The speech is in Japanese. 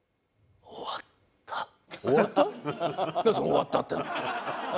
「終わった」ってのは。